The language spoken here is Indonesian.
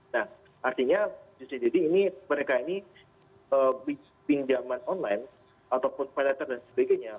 nah artinya ucdd ini mereka ini pinjaman online ataupun paylater dan sebagainya